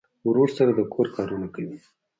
ورور سره د کور کارونه کوي.